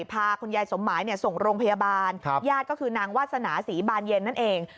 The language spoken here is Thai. พาคุณยายสมหมายส่งโรงพยาบาลญาติก็คือนางวาสนาศรีบานเย็นนั่นเอง